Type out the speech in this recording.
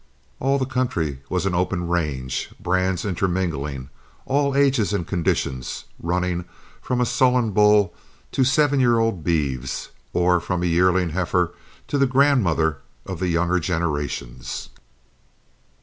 All the country was an open range, brands intermingling, all ages and conditions, running from a sullen bull to seven year old beeves, or from a yearling heifer to the grandmother of younger generations.